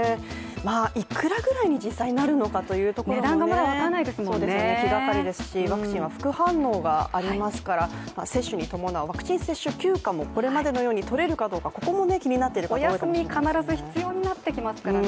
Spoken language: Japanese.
いくらぐらいに実際なるのかというところが気がかりですし、ワクチンは副反応がありますから接種に伴うワクチン接種休暇もこれまでのように取れるかどうか、ここも気になっている方多いかもしれませんね。